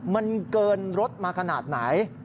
มันเกินรถมาขนาดไหน